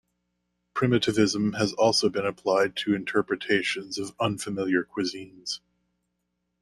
Primitivism has also been applied to interpretations of unfamiliar cuisines.